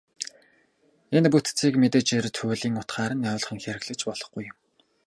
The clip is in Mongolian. Энэ бүтцийг мэдээжээр туйлын утгаар нь ойлгон хэрэглэж болохгүй юм.